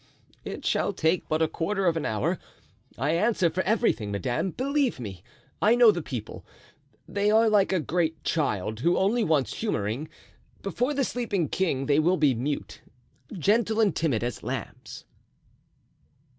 "It shall take but a quarter of an hour, I answer for everything, madame; believe me, I know the people; they are like a great child, who only wants humoring. Before the sleeping king they will be mute, gentle and timid as lambs."